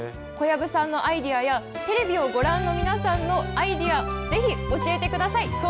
小籔さんのアイデアや、テレビをご覧の皆さんのアイデア、ぜひ教えてください。